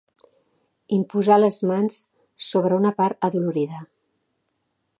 Imposar les mans sobre una part adolorida.